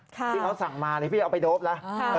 ที่เขาสั่งมาพี่เอาไปโดปแล้ว